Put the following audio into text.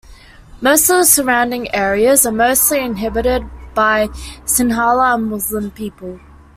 Most of the surrounding areas are mostly inhabited by sinhala and Muslim people.